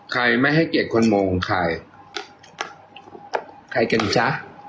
ใครไม่ให้เกียรติคนมองของใครใครกันจ๊ะ